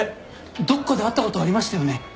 どっかで会ったことありましたよね？